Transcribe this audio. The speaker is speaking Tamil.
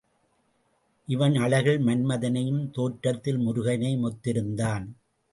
இவன் அழகில் மன்மதனையும் தோற்றத்தில் முருகனையும் ஒத்து இருந்தான்.